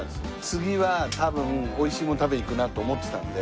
次は多分美味しいもの食べに行くなと思ってたんで。